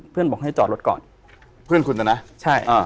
เพื่อนบอกให้จอรถก่อนเพื่อนคุณนะใช่